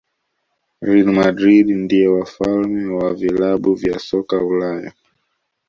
real madrid ndio wafalme wa vilabu vya soka ulaya